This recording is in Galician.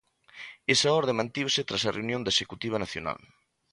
Esa orde mantívose tras a reunión da Executiva nacional.